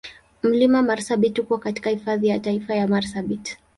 Mlima Marsabit uko katika Hifadhi ya Taifa ya Marsabit.